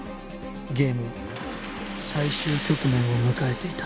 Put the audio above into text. ゲームは最終局面を迎えていた